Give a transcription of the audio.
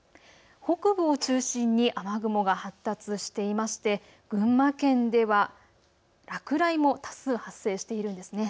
北部を中心に雨雲が発達していまして群馬県では落雷も多数、発生しているんですね。